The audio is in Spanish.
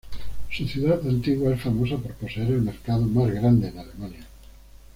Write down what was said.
Su ciudad antigua es famosa por poseer el mercado más grande en Alemania.